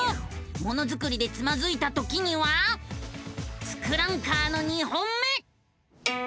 ものづくりでつまずいたときには「ツクランカー」の２本目！